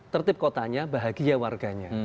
tertib kotanya bahagia warganya